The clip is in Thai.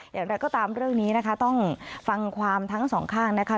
อย่างไรก็ตามเรื่องนี้นะคะต้องฟังความทั้งสองข้างนะคะ